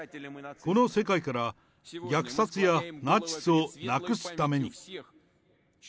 この世界から虐殺やナチスをなくすために。